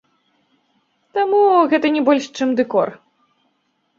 Таму, гэта не больш, чым дэкор.